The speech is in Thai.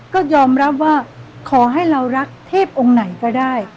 ก็ยอมรับว่าขอให้เรารักเทพองค์ไหนก็ได้